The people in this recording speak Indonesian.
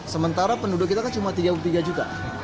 sementara penduduk kita kan cuma tiga puluh tiga juta